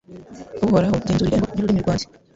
Uhoraho genzura irembo ry’ururimi rwanjye